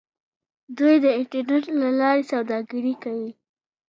دوی د انټرنیټ له لارې سوداګري کوي.